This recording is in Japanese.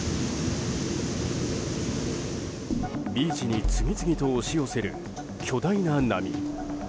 ビーチに次々と押し寄せる巨大な波。